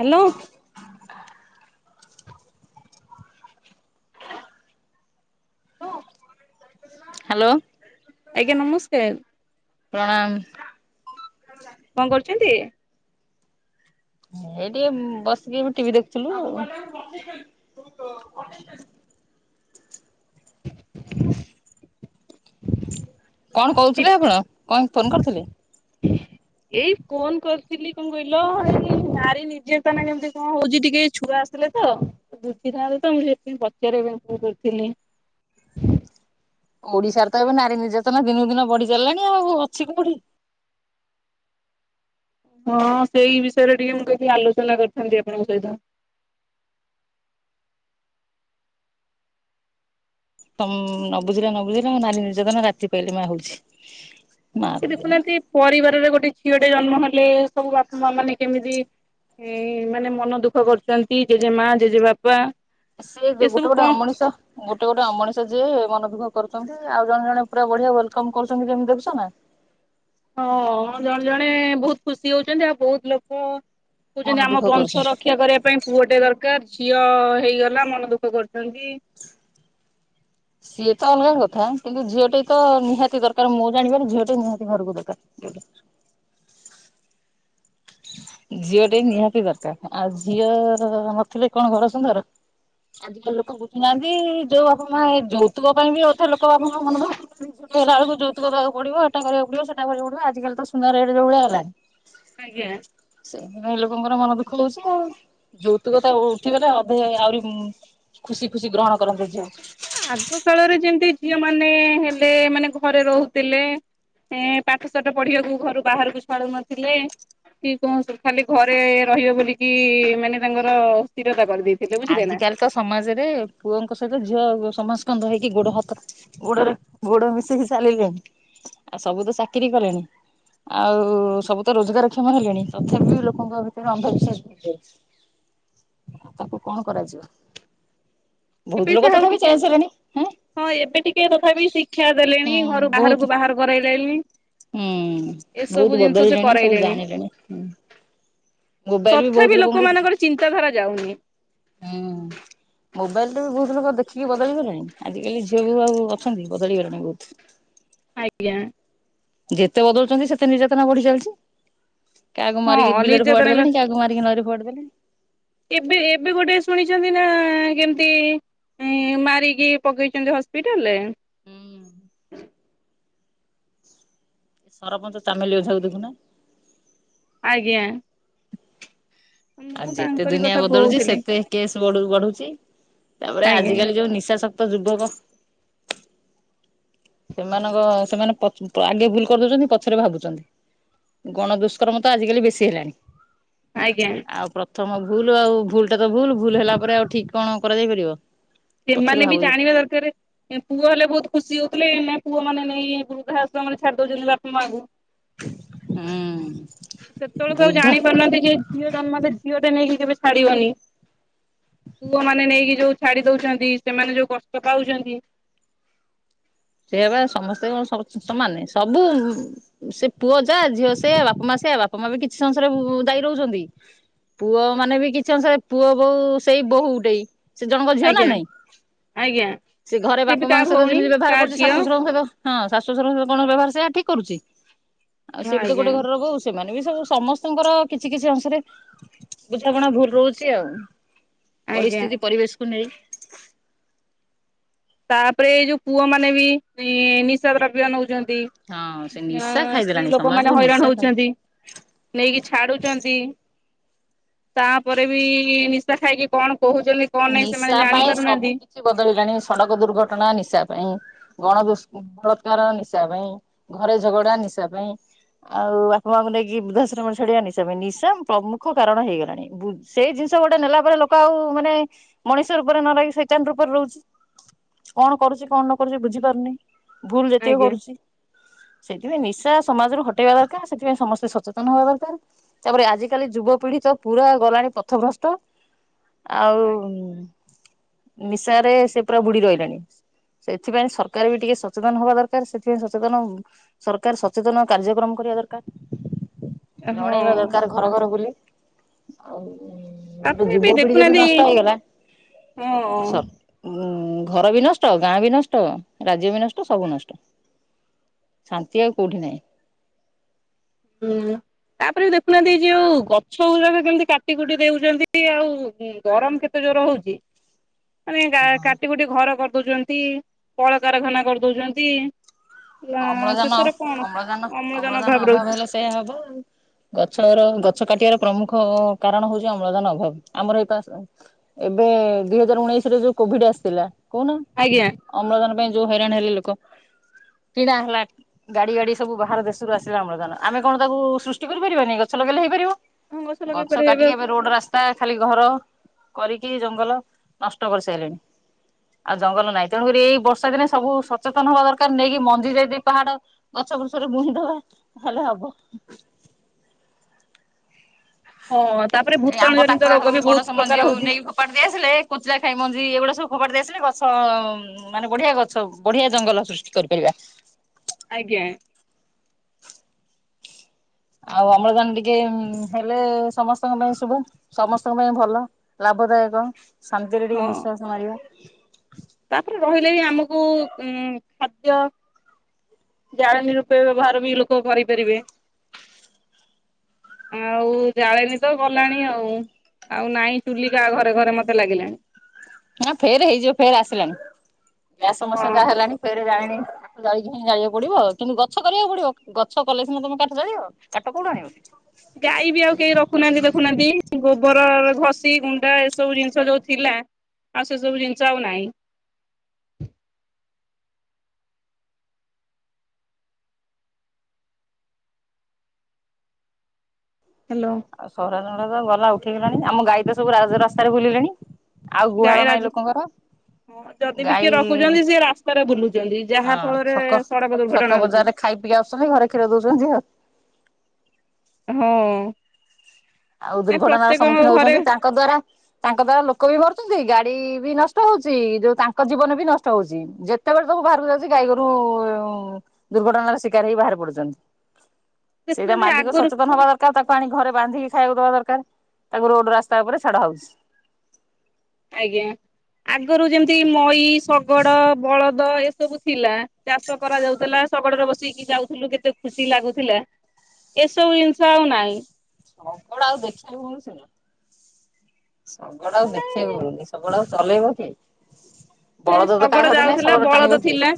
Hello. Hello. ଆଜ୍ଞା ନମସ୍କାର। ପ୍ରଣାମ। କଣ କରୁଚନ୍ତି? ଏଇ ଟିକେ ବସିକି ଏବେ ଟିଭି ଦେଖୁଥିଲୁ ଆଉ। କଣ କୋହୁଥୁଲେ ଆପଣ କଣ ଫୋନ କରିଥିଲେ? ଏଇ ଫୋନ କରିଥିଲି କଣ କହିଲ ନାରୀ ନିର୍ଯାତନା କେମିତି କଣ ହୋଉଚି ଟିକେ ଏଇ ଛୁଆ ଆସ୍ ଥିଲେ ତ ବୁଝିଥାନ୍ତେ ତ ମୁଁ ସେଇଥିପାଇଁ ପଚାରିବା ପାଇଁ ଫୋନ କରିଥିଲି। ଓଡିଶାର ତ ଏବେ ନାରୀ ନିର୍ଯାତନା ଦିନକୁ ଦିନ ବଢି ଚାଲିଲାଣି ଆଉ ଅଛି କୋଉଠି। ହଁ ସେଇ ବିଷୟରେ ଟିକେ ମୁଁ କହିକି ଆଲୋଚନା କରିଥାନ୍ତି ଆପଣଙ୍କ ସହିତ। ତମ୍ ନ ବୁଝିଲେ ନ ବୁଝିଲା ନାରୀ ନିର୍ଯାତନ ରାତି ପାଇଲି ମାଆ ହୋଉଚି। ଏଇ ଦେଖୁନାହାନ୍ତି ପରିବାରରେ ଗୋଟେ ଝିଅଟେ ଜନ୍ମ ହେଲେ ସବୁ ବାପାମାଆ ମାନେ କେମିତି ଏ ମାନେ ମନ ଦୁଃଖ କରୁଚନ୍ତି ଜେଜେମା ଜେଜେବା ସେ ଦେ ଗୋଟେ ଗୋଟେ ଅମଣିଷ ଗୋଟେ ଗୋଟେ ଅମଣିଷ ଯିଏ ମନ ଦୁଃଖ କରୁଚନ୍ତି ଆଉ ଜଣେ ଜଣେ ପୁରା ବଢିଆ ୱେଲକମ୍ କରୁଚନ୍ତି କେମିତି ଦେଖୁଚ ନା। ହଁ ଜଣେ ଜଣେ ବୋହୁତ ଖୁସି ହୋଉଚନ୍ତି ଆଉ ବୋହୁତ ଲୋକ ମନ କୋହୁଚନ୍ତି ଆମ ଦୁଃଖ ବଂଶ କରୁଛନ୍ତି। ରକ୍ଷା କରିବା ପାଇଁ ପୁଅଟେ ଦରକାର ଝିଅ ହେଇଗଲା ମନ ଦୁଃଖ କରୁଛନ୍ତି। ସିଏ ତ ଅଲଗା କଥା କିନ୍ତୁ ଝିଅଟେ ତ ନିହାତି ଦରକାର ମୁଁ ଜାଣିବାରେ ଝିଅଟେ ନିହାତି ଘରକୁ ଦରକାର। ଯୋଉଠି ଝିଅଟେ ନିହାତି ଦରକାର ଆଉ ଝିଅ ର ନଥିଲେ କଣ ଘର ସୁନ୍ଦର। ଆଜିକାଲି ଲୋକ ବୁଝୁନାହାନ୍ତି ଯୋଉ ବାପମାଆ ଏଇ ଯୋଉତୁକ ପାଇଁ ବି ଅଧେ ଲୋକ ବାପାମାଆ ମନଦୁଃଖ କି ଝିଅଟେ ହେଲା ବେଳକୁ ଯୋଉତୁକ ଦବାକୁ ପଡିବ ଏଟା କରିବାକୁ ପଡିବ ସେଟା କରିବାକୁ ପଡିବ ଆଜିକାଲି ତ ସୁନା ରେଟ ଯୋଉଭଳିଆ ହେଲାଣି। ଆଗିଆଁ। ସେଇଥିପାଇଁ ଲୋକଙ୍କର ମନ ଦୁଃଖ ହଉଛି ଆଉ ଯୌତୁକତା ଉଠିବ ନା ଅଧେ ଆହୁରି ଖୁସି ଖୁସି ଗ୍ରହଣ କରନ୍ତେ ଝିଅ। ଆଗ କାଳରେ ଯେମିତି ଝିଅ ମାନେ ହେଲେ ମାନେ ଘରେ ରହୁଥିଲେ ଏ ପାଠ ସାଠ ପଢିବାକୁ ଘରୁ ବାହାରକୁ ଛାଡୁ ନଥିଲେ। କି କୁହନ୍ତୁ ଖାଲି ଘରେ ରହିବ ବୋଲିକି ମାନେ ତାଙ୍କର ଅ ସ୍ଥିରତା କରିଦେଇ ଆଜିକାଲି ତ ସମାଜରେ ପୁଅଙ୍କ ସହିତ ଝିଅ ସମସ୍କନ୍ଦ ହେଇକି ଗୋଡ ହାତ ଗୋଡରେ ଗୋଡ ମିଶେଇକି ଚାଲିଲେଣି ଆଉ ସବୁ ତ ଚାକିରି କଲେଣି। ଆଉ ସବୁ ତ ରୋଜଗାର କ୍ଷମ ହେଲେଣି ତଥାପି ଲୋକଙ୍କ ଭିତରେ ଅନ୍ଧବିଶ୍ୱାସ ଭାରି ତାକୁ କଣ କରାଯିବ। ବହୁତ ଏବେ ଲୋକ ସେ ଆଉ ତଥାପି ଟିକେ ଚେଞ୍ଜ ହେଲେଣି ହେଁ ହଁ ଏବେ ଟିକେ ତଥାପି ଶିକ୍ଷା ଦେଲେଣି ହୁଁ ଘରୁ ବହୁତ ବାହାରକୁ ବାହାର କରାଇଲେନି। ହୁଁ ବହୁତ ସେ ବଦଳିଲାଣି ସବୁ କରାଇଲେଣି ଜାଣିଲେଣି ହୁ। ତଥାପି ଲୋକମାନଙ୍କର ଚିନ୍ତାଧାରା ଯାଉନି। ହୁଁ। ମୋବାଇଲ୍ ରେ ବି ବହୁତ ଲୋକ ଦେଖିକି ବଦଳି ଗଲେଣି ଆଜିକାଲି ଝିଅ ବି ଆଉ ଅଛନ୍ତି ବଦଳିଗଲେଣି ବହୁତ୍। ଆଜ୍ଞା। ଯେତେ ବଦଳୁଛନ୍ତି ସେତେ ନିର୍ଯାତନା ବଢି ଚାଲିଛି କାହାକୁ ମାରିକି ହଁ ବିଲରେ ନିର୍ଯାତନା ଫୋପାଡି ବା ଦେଲେଣି କାହାକୁ କୁ ମାରିକି ନଈରେ ପୋପାଡ଼ି ଦେଲେଣି। ଏବେ ଏବେ ଗୋଟେ ଶୁଣିଛନ୍ତି ନା କେମିତି ଉଁ ମାରିକି ପକେଇଛନ୍ତି ହସ୍ପିଟାଲରେ। ହୁଁଉ। ସରପଞ୍ଚ ଚାମେଲି ଓଝା କୁ ଦେଖୁନ। ଆଜ୍ଞା। ଆ ମୁଁ ଯେତେ ତାଙ୍କରି ଦୁନିଆ କଥା ବଦଳୁଛି କହୁଥିଲି ସେତେ କେସ୍ ବଢ଼ୁ ବଢୁଛି ତାପରେ ଆଜ୍ଞା ଆଜିକାଲି ଯୋଉ ନିଶା ଶ କ୍ତ ଯୁବକ ସେମାନଙ୍କ ସେମାନେ ପଛ ଆଗେ ଭୁଲ କରିଦଉଛନ୍ତି ପଛରେ ଭାବୁଛନ୍ତି। ଗଣ ଦୁଷ୍କର୍ମ ତ ଆଜିକାଲି ବେଶୀ ହେଲାଣି। ଆଜ୍ଞା। ଆଉ ପ୍ରଥମ ଭୁଲ୍ ଆଉ ଭୁଲ୍ ଟା ତ ଭୁଲ୍ ଭୁଲ୍ ହେଲା ପରେ ଆଉ ଠିକ୍ କଣ କରାଯାଇ ପାରିବ। ପଛରେ ସେମାନେ ବି ଭାବୁଛୁ ଜାଣିବା ଦରକାର ପୁଅ ହେଲେ ବହୁତ୍ ଖୁସି ହଉଥିଲେ ଏନା ପୁଅ ମାନେ ନେଇ ବୃଦ୍ଧାଆଶ୍ରମରେ ଛାଡି ଦଉଛନ୍ତି ବାପ ମାଆଙ୍କୁ। ହୁଁ ସେତେବେଳକୁ ଆଉ ବୁଦ୍ଧ ଜାଣି ପାରୁନାହାନ୍ତି ଯେ ଝିଅ ଜନ୍ମ ହେଲେ ଝିଅ ଟେ ନେଇକି କେବେ ଛାଡିବନି ପୁଅ ମାନେ ନେଇକି ଯୋଉ ଛାଡି ଦଉଛନ୍ତି ସେମାନେ ଯୋଉ କଷ୍ଟ ପାଉଛନ୍ତି ସେଇ ବା ସମସ୍ତେ କଣ ସ ସମାନେ ସବୁ ସେ ପୁଅ ଯା ଝିଅ ସେଇଆ ବାପା ମା ସେଇଆ ବାପା ମା ବି କିଛି ଅଂଶରେ ଦାୟୀ ରହୁଛନ୍ତି। ପୁଅ ମାନେ ବି କିଛି ଅଂଶରେ ପୁଅ ବୋଉ ସେଇ ବୋଉ ଗୋଟେଇ ସେ ଜଣଙ୍କ ଝିଅ ନା ଆଜ୍ଞା ନାଇଁ ଆଜ୍ଞା। ସେ ଘରେ ସିଏ ବି ବାପ କାହା ମାଙ୍କ ସହିତ ଭଉଣୀ ଯେମିତି ବ୍ୟବହାର କାହା ଝିଅ ହଁ ଶାଶୁଶଶୁରଙ୍କ ସହିତ ହଁ ଶାଶୁଶଶୁରଙ୍କ ସହିତ କଣ ବ୍ୟବହାର ସେଇଆ ଠିକ୍ କରୁଛି ଆଉ ସେ ବି ତ ଆଜ୍ଞା ଗୋଟେ ଘରର ବୋହୁ। ସେମାନେ ବି ସବୁ ସମସ୍ତଙ୍କର କିଛି କିଛି ଅଂଶରେ ବୁଝାବଣା ଭୁଲ ରହୁଛି ଆଉ। ଆଜ୍ଞା। ପରିସ୍ଥିତି ପରିବେଶ କୁ ନେଇ ତାପରେ ଏଇ ଯୋଉ ପୁଅ ମାନେ ବି ଇଁ ନିଶା ଦ୍ରବ୍ୟ ନଉଛନ୍ତି। ହଁ ସେ ଆ ନିଶା ସ୍ତ୍ରୀ ଖାଇଦେଲାଣି ସମାଜକୁ ଲୋକମାନେ ନିଶା ହଇରାଣ ଖାଇ ହଉଛନ୍ତି ନେଇକି ଛାଡୁଛନ୍ତି। ତାପରେ ବି ନିଶା ଖାଇକି କଣ କହୁଛନ୍ତି କଣ ନାହିଁ ନିଶା ସେମାନେ ଜାଣି ପାଇଁ ସବୁ ପାରୁନାହାନ୍ତି। କିଛି ବଦଳିଲାଣି ସଡକ ଦୁର୍ଘଟଣା ନିଶା ପାଇଁ ଗଣ ଦୁଷ୍କ ବଳାତ୍କାର ନିଶା ପାଇଁ। ଘରେ ଝଗଡା ନିଶା ପାଇଁ। ଆଉ ବାପା ମାଙ୍କୁ ନେଇକି ବୃଦ୍ଧାଶ୍ରମ ଛାଡିବା ନିଶା ପାଇଁ ନିଶା ପ୍ରମୁଖ କାରଣ ହେଇଗଲାଣି ବୃ ସେଇ ଜିନିଷ ଗୋଟେ ନେଲା ପରେ ଲୋକ ଆଉ ମାନେ ମଣିଷ ରୂପରେ ନରହିକି ସଇତାନ୍ ରୂପରେ ରହୁଛି କଣ କରୁଛି କଣ ନ କରୁଛି ବୁଝିପାରୁନି। ଭୁଲ ଯେତିକ ଆଜ୍ଞା କରୁଛି ସେଥିପାଇଁ ନିଶା ସମାଜରୁ ହଟେଇବା ଦରକାର୍ ସେଥିପାଇଁ ସମସ୍ତେ ସଚେତନ ହବା ଦରକାର୍ ତାପରେ ଆଜିିକାଲି ଯୁବପିଢି ତ ପୁରା ଗଲାଣି ପଥ ଭ୍ରଷ୍ଟ ଆଉ ହୁଁ ନିଶାରେ ସେ ପୁରା ବୁଡ଼ି ରହିଲେଣି। ସେଥିପାଇଁ ସରକାର୍ ବି ଟିକେ ସଚେତନ ହବା ଦରକାର୍ ସେଥିପାଇଁ ସଚେତନ ସରକାର ସଚେତନ କାର୍ଯ୍ୟକ୍ରମ କରିବା ଦରକାର ହଁ ଜଣେଇବା ଦରକାର ଘର ଘର ବୁଲି ଆଉ ଗୋଟେ ତାପରେ ବି ଯୁବପିଢ଼ି ଯଦି ଦେଖୁନାହାନ୍ତି ନଷ୍ଟ ହେଇଗଲା ହଁ ସ ଉଁ ଘର ବି ନଷ୍ଟ ଗାଁ ବି ନଷ୍ଟ ରାଜ୍ୟ ବି ନଷ୍ଟ ସବୁ ନଷ୍ଟ। ଶାନ୍ତି ଆଉ କୋଉଠି ନାହିଁ। [inaudible] ତାପରେ ଦେଖୁନାହାନ୍ତି ଯେଉ ଗଛ ଗୁଡ଼ାକ କେମିତି କାଟି କୁଟି ଦେଉଛନ୍ତି ଆଉ ଗରମ କେତ ତେ ଜୋରରେ ହଉଛି? ମାନେ ଗା ହଁ। କାଟି କୁଟି ଘର କରିଦଉଛନ୍ତି କଳକାରଖାନା କରିଦଉଛନ୍ତି ନା ଅମ୍ଳଜାନ ଶେଷରେ କଣ ଅମ୍ଳଜାନ ଅଭାବ ରହୁଛି। ସେଇଆ ହବ ଆଉ ଗଛର ଗଛ କାଟିବାର ପ୍ରମୁଖ କାରଣ ହଉଛି ଅମ୍ଳଜାନ ଅଭାବ ଆମର ଏକା ଏବେ ଦୁଇ ହଜାର ଉଣେଇଶିରେ ଯୋଉ କୋଭିଡ ଆସିଥିଲା କହୁନା ଆଜ୍ଞା। ଅମ୍ଳଜାନ ପାଇଁ ଯୋଉ ହଇରାଣ ହେଲେ ଲୋକ କିଣା ହେଲା ଗାଡ଼ି ଗାଡ଼ି ସବୁ ବାହାର ଦେଶରୁ ଆସିଲା ଅମ୍ଳଜାନ ଆମେ କଣ ତାକୁ ସୃଷ୍ଟି କରିପାରିବାନି ଗଛ ଲଗେଇଲେ ହେଇପାରିବ। ହଁ ଲଗେଇ ଗଛ ପାରିବେ କାଟିକି ଏବେ ରୋଡ୍ ରାସ୍ ସ୍ତା ଖାଲି ଘର କରିକି ଜଙ୍ଗଲ ନଷ୍ଟ କରିସାରିଲେଣି। ଆଉ ଜଙ୍ଗଳ ନାହିଁ ତେଣୁକରି ଏଇ ବର୍ଷା ଦିନେ ସବୁ ସଚେତନ ହବା ଦରକାର ନେଇକି ମଞ୍ଜି ଯଦି ପାହାଡ଼ ଗଛ ବ୍ରୁଛରେ ବୁଣିଦବା ତାହେଲେ ହବ। ହଁ ତାପରେ ଏଇ ଭୂତାଣୁ ଆମ୍ବ ଜନିତ ଟାକୁଆ ରୋଗ ହଉ ବି ବହୁତ ପଣସ ପ୍ରକାର ମଞ୍ଜି ହଉ ହଉଛି। ନେଇ ଫୋ ପାଡ଼ି ଦେଇଆସିଲେ କୁଚିଲା ଖାଇ ମଞ୍ଜି ଏଗୁଡ଼ା ସବୁ ଫୋପାଡ଼ି ଦେଇଆସିଲେ ଗଛ ମାନେ ବଢ଼ିଆ ଗଛ ବଢ଼ିଆ ଜଙ୍ଗଲ ସୃଷ୍ଟି କରିପାରିବା। ଆଜ୍ଞା। ଆଉ ଅମ୍ଳଜାନ ଟିକେ ହେଲେ ସମସ୍ତଙ୍କ ପାଇଁ ଶୁଭ ସମସ୍ତଙ୍କ ପାଇଁ ଭଲ। ଲାଭଦାୟକ ଶାନ୍ତିରେ ହଁ ଟିକେ ନିଶ୍ୱାସ ମାରିବା। ତାପରେ ରହିଲେ ବି ଆମକୁ ଉଁ ଖାଦ୍ୟ ଜାଳେଣି ରୂପେ ବ୍ୟବହାର ବି ଲୋକ କରିପାରିବେ। ଆଉ ଜାଳେଣି ତ ଗଲାଣି ଆଉ ଆଉ ନାଇଁ ଚୁଲି କାହା ଘରେ ଘରେ ମତେ ଲାଗିଲାଣି। ନା ଫେରେ ହେଇଯିବ ଫେରେ ଆସିଲାଣିି ଗ୍ୟାସ୍ ହଁ। ସମସ୍ୟା ଯାହା ହେଲାଣି ଫେରେ ଜାଳେଣି ଜାଳିକି ହିଁ ଜାଳିବାକୁ ପଡ଼ିବ କିନ୍ତୁ ଗଛ କରିବାକୁ ପଡ଼ିବ ଗଛ କଲେ ସିନା ତମେ କାଠ ଜାଳିବ କାଠ କୋଉଠୁ ଆଣିବ? ଗାଈ ବି ଆଉ କେହି ରଖୁନାହାନ୍ତି ଦେଖୁନାହାନ୍ତି ଗୋବର ଘଷି ଗୁଣ୍ଡ ଏସବୁ ଜିନିଷ ଯୋଉ ଥିଲା ଆଉ ସେ ସବୁ ଜିନିଷ ଆଉ ନାହିଁ। ହ୍ୟାଲୋ। ଆଉ ସହରର [unintelligible] ତ ଗଲା ଉଠେଇଗଲାଣି ଆମ ଗାଈ ତ ସବୁ ରାଜ ରାସ୍ତାରେ ବୁଲିଲେଣି ଆଉ ଗାଈ ଗୁହାଳ ରାଜ ନାଇଁ ଲୋକଙ୍କର ହଁ ଯଦି ବି ଗାଈ କିଏ ରଖୁଛନ୍ତି ସିଏ ରାସ୍ତାରେ ବୁଲୁଛନ୍ତି ହଁ ଯାହା ଫଳରେ ସଡ଼କ ଦୁର୍ଘଟଣା ହଉଛି। ଯିଏ ଆସୁଛନ୍ତି ଘରେ କ୍ଷୀର ଦଉଛନ୍ତି ଆଉ ହୁଁ। ଆଉ ଦୁର୍ଘଟଣାର ସମ୍ମୁଖୀନ ଘରେ ହଉଛନ୍ତି ତାଙ୍କ ଦ୍ଵାରା ତାଙ୍କ ଦ୍ଵାରା ଲୋକ ବି ମରୁଛନ୍ତି ଗାଡ଼ି ବି ନଷ୍ଟ ହଉଛି ଯୋଉ ତାଙ୍କ ଜୀବନ ବି ନଷ୍ଟ ହଉଛି। ଯେତେବେଳେ ସବୁ ବାହାରକୁ ଯାଉଛି ଗାଈଗୋରୁ ଦୁର୍ଘଟଣାର ଶିକାର ହେଇକି ବାହାରି ପଡୁଛନ୍ତି। ସେଇଟା ଦେଖୁନାହାନ୍ତି ମାଲିକ ଆଗରୁ ସଚେତନ ହବା ଦରକାର ତାକୁ ଆଣି ଘରେ ବାନ୍ଧି ଖାଇବାକୁ ଦବା ଦରକାର ତାକୁ ରୋଡ଼ ରାସ୍ତା ଉପରେ ଛାଡ଼ ହଉଛି। ଆଜ୍ଞା ଆଗରୁ ଯେମିତି ମଈ ଶଗଡ଼ ବଳଦ ଏସବୁ ଥିଲା। ଚାଷ କରା ଯାଉଥିଲା। ଶଗଡ଼ରେ ବସିକି ଯାଉଥିଲୁ କେତେ ଖୁସି ଲାଗୁଥିଲା ଏସବୁ ଜିନିଷ ଆଉ ନାଇଁ। ସଗଡ ଆଉ ଦେଖିବାକୁ ମିଳୁଛି ନା। ସଗଡ ଆଉ ଦେଖେ ବାକୁ ମାନେ ମିଳୁନି ସଗଡ ଆଉ ଚଲେଇବ କିଏ। ଏ ବଳଦ ତ କାହା ଶଗଡ଼ ଘରେ ନାହିଁ ଯାଉଥିଲା ଶଗଡ ଟାଣିବ ବଳଦ କିଏ? ଥିଲା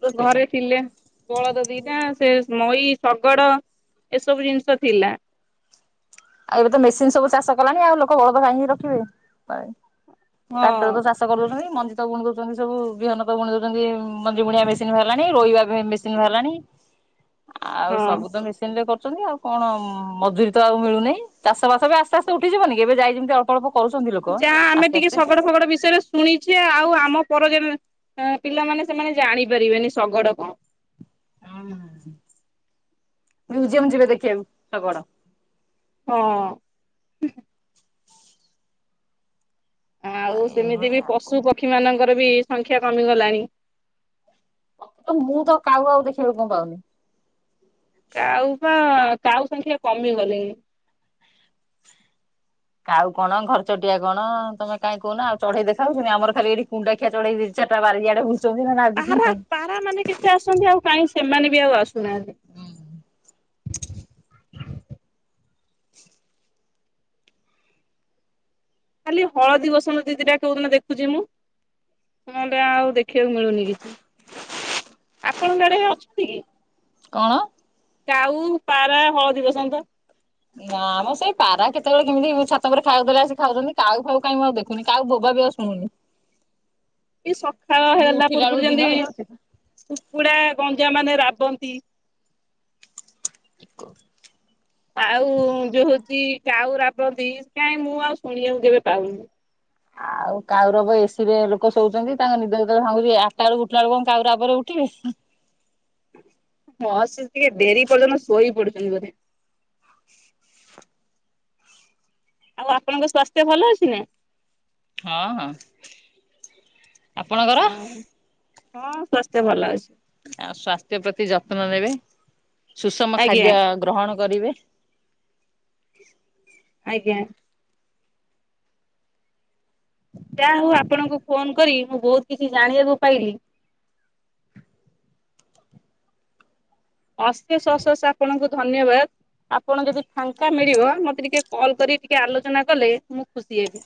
ହୁଁ ସେଇଟା। ଘରେ ଥିଲେ। ବଳଦ ଦିଟା ସେ ମଇ, ଶଗଡ ଏସବୁ ଜିନିଷ ଥିଲା। ଆଉ ଏବେ ତ ମେସିନ ସବୁ ଚାଷ କଲାଣି ଆଉ ଲୋକ ବଳଦ କାଇଁ କି ରଖିବେ ଆଉ ହଁ ଟ୍ରାକ୍ଟରେ ତ ଚାଷ ତ କରି ଦଉଛନ୍ତି ମଞ୍ଜି ତ ବୁଣି ଦଉଛନ୍ତି ସବୁ ବିହନ ତ ବୁଣି ଦଉଛନ୍ତି ମଞ୍ଜି ବୁଣିବା ମେସିନ୍ ବାହାରି ଲାଣି ରୋଇବା ମେ ସିନ ବାହାରିଲାଣି। ହ [inaudible] ଆଉ ସବୁ ତ ମେସିନ ରେ କରୁଛନ୍ତି ଆଉ କଣ ମଜୁରୀ ତ ଆଉ ମିଳୁନେଇ। ଚାଷ ବାସ ବି ଆସ୍ତେ ଆସ୍ତେ ଉଠି ଯିବନି କି ଏବେ ଯାଇ ଯେମିତି ଅ ଅଳ୍ପ ଅଳ୍ପ କରୁଛନ୍ତି ଲୋ ଯା ଆମେ ଟିକେ ଶଗଡ ଫଗଡ ବିଷୟରେ। ଶୁଣିଛେ ଆଉ ଆମ ପର ଜେନେ ଏଁ ପିଲାମାନେ ସେମାନେ ଜାଣି ପାରି ବେନି ଶଗଡ଼ କଁ। ହୁଁ ମୁଜିୟମ ଯିବେ ଦେଖିବାକୁ ଶଗଡ। ହଁ। ଆଉ ସେମିତି ବି ଏଇଭଳିଆ ଆଉ ପଶୁ, ପକ୍ଷୀ ମାନଙ୍କର ବି ସଂଖ୍ୟା କମିଗଲାଣି। ମୁଁ ତ କାଉ ଆଉ ଦେଖିବାକୁ କଁ ପାଉନି। କାଉ ବା କାଉ ସଂଖ୍ୟା କମିଗଲେଇଁ। କାଉ କଣ ଘର ଚଟିଆ କଣ ତମେ କାଇଁ କହୁନା ଆଉ ଚଢେଇ ଦେଖା ଯାଉଛନ୍ତି ଆମର ଖାଲି ଏଇଠି କୁଣ୍ଡା ଖିଆ ଚଢେଇ ଦି ଚାରି ଟା ବାରି ଆଡେ ବୁ ଲୁ ଚନ୍ତି ନଲେ ଆ ପାରା ପାରା ମାନେ କେତେ ଆସନ୍ତି ଆଉ କାଇଁ ସେମାନେ ବି ଆଉ ଆସୁନାହାନ୍ତି। ଖାଲି ହଳଦୀ ବସନ୍ତ ଦି ଦିଟା କୋଉ ଦିନ ଦେଖୁଛି ମୁଁ। ନହେଲେ ଆଉ ଦେଖିବାକୁ ମିଳୁନି କିଛି। ଆପଣଙ୍କ ଆଡେ ଅଛନ୍ତି କି? କଣ? କାଉ, ପାରା, ହଳଦୀ ବସନ୍ତ। ନା ମ ସେଇ ପାରା କେତେ ବେଳେ କେମିତି ଛାତ ଉପରେ ଖାଇ ଆକୁ ଦେଲେ ଆସି ଖାଉଛନ୍ତି କାଉ ଫାଉ କାଇଁ ମୁଁ ଆଉ ଦେଖୁନି କାଉ ବୋବା ବି ଆଉ ସୁଣୁନି। ଏଇ ସକାଳ ମୁଁ ହେଲା ଉଠିଲା ବେଳକୁ ପୂର୍ବରୁ ଦିନ ଯେମିତି। ହେଇଯାଉଛି। କୁକୁଡା, ଗଞ୍ଜା ମାନେ ରାବନ୍ତି। ଏକ। ଆଉ ଯୋଉ ହଉଛି କାଉ ରାବନ୍ତି କାହିଁ ମୁଁ ଆଉ ଶୁଣିବାକୁ କେବେ ପାଉନି। ଆଉ କାଉ ରାବ ଏସି ରେ ଲୋକ ଶୋଉଛନ୍ତି ତାଙ୍କ ନିଦ ଯେତେ ବେଳେ ଭଙ୍ଗୁଛି ଆଠଟା ବେଳକୁ ଉଠିଲା ବେଳକୁ କଁ କାଉ ରାବରେ ଉଠିବେ‌ ହୁଁ। ହଁ ସେ ଟିକେ ଡେରି ପର୍ଯ୍ୟନ୍ତ ଶୋଇ ପଡୁଛନ୍ତି ବୋଧେ। [inaudible] ଆଉ ଆପଣଙ୍କ ସ୍ଵାସ୍ଥ୍ୟ ଭଲ ଅଛି ନା? ହଁ ହଁ ଆପଣଙ୍କର? ହଁ ସ୍ୱାସ୍ଥ୍ୟ ଭଲ ଅଛି। ଆଉ ସ୍ୱାସ୍ଥ୍ୟ ପ୍ରତି ଯତ୍ନ ନେବେ ସୁଷମ ଆଜ୍ଞା ଖାଦ୍ୟ ଗ୍ରହଣ କରିବେ। ଆଜ୍ଞା। ଯା ହଉ ଆପଣଙ୍କୁ ଫୋନ କରି ମୁଁ ବହୁତ କିଛି ଜାଣିବାକୁ ପାଇଲି। ଅଶେଷ ଅଶେଷ ଆପଣଙ୍କୁ ଧନ୍ୟବାଦ ଆପଣ ଯଦି ଫାଙ୍କା ମିଳିବ ମତେ ଟିକେ କଲ୍ କରି ଟିକେ ଆଲୋଚନା କଲେ ମୁଁ ଖୁସି ହେବି।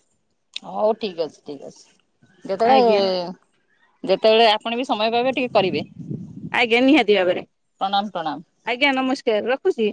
ହଉ ଠିକ ଅଛି ଠିକ ଅଛି ଯେତେ ଆଜ୍ଞା। ବେଳେ। ଯେତେ ବେଳେ ଆପଣ ବି ସମୟ ପାଇବେ ଟିକେ କରିବେ। ଆଜ୍ଞା ନିହାତି ଭାବରେ। ପ୍ରଣାମ ପ୍ରଣାମ। ଆଜ୍ଞା ନମସ୍କାର ରଖୁଛି।